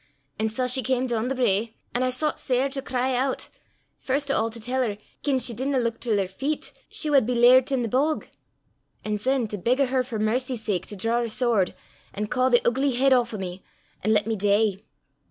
An' sae she cam doon the brae. An' I soucht sair to cry oot first o' a' to tell her gien she didna luik till her feet, she wad be lairt i' the bog, an' syne to beg o' her for mercy's sake to draw her swoord, an' caw the oogly heid aff o' me, an' lat me dee.